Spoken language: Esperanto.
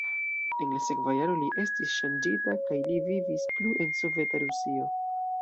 En la sekva jaro li estis ŝanĝita kaj li vivis plu en Soveta Rusio.